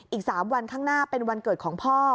อีก๓วันข้างหน้าเป็นวันเกิดของพ่อ